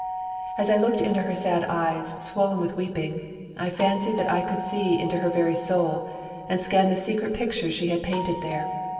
As I looked into her sad eyes, swollen with weeping, I fancied that I could see into her very soul, and scan the secret pictures she had painted there.